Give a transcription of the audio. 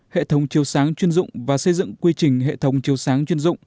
hệ thống chiều sáng chuyên dụng và xây dựng quy tắc